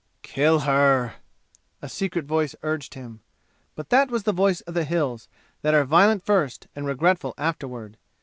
"Kill her!" a secret voice urged him. But that was the voice of the "Hills," that are violent first and regretful afterward.